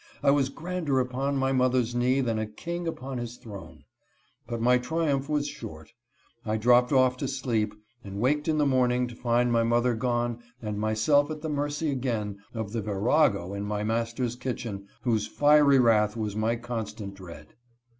I was grander upon my mother's knee than a king upon his throne. But my triumph was short. I dropped off to sleep, and waked in the morning to find my mother gone and myself at the mercy again of the virago in my master's kitchen, whose fiery wrath was my constant dread.